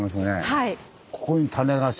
はい。